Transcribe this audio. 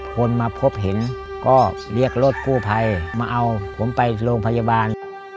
คนมาพบเห็นก็เรียกรถกู้ภัยมาเอาผมไปโรงพยาบาล